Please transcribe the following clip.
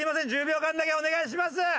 １０秒間だけお願いします。